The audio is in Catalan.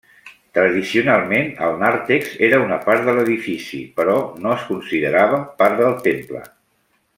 Tradicionalment el nàrtex era una part de l'edifici, però no es considerava part del temple.